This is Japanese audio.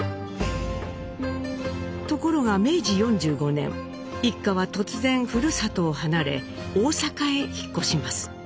ところが明治４５年一家は突然ふるさとを離れ大阪へ引っ越します。